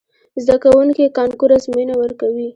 زده کوونکي کانکور ازموینه ورکوي.